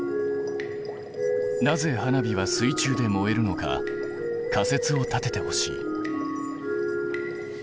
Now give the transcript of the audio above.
なぜ花火は水中で燃えるのか仮説を立ててほしい。